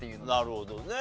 なるほどね。